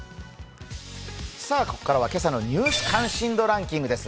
ここからは今朝の「ニュース関心度ランキング」です。